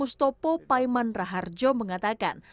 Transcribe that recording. gustopo paiman raharjo mengatakan